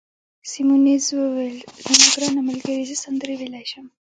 سیمونز وویل: زما ګرانه ملګرې، زه سندرې ویلای شم.